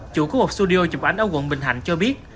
chủ của một studio chụp ảnh ở quận bình hạnh cho biết